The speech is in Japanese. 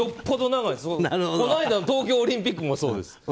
この間の東京オリンピックもそうです。